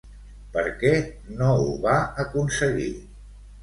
Per què no ho va aconseguir?